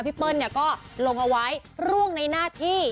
เปิ้ลก็ลงเอาไว้ร่วงในหน้าที่